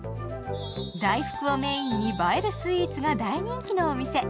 大福をメインに映えるスイーツが大人気のお店。